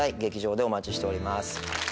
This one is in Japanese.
劇場でお待ちしております。